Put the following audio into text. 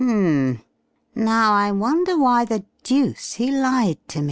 Hmm! ... Now I wonder why the deuce he lied to me?"